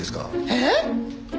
えっ！？